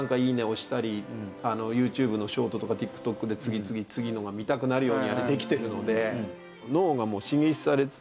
押したりＹｏｕＴｕｂｅのショートとかＴｉｋＴｏｋで次々次のが見たくなるようにあれできてるので脳が刺激され続ける。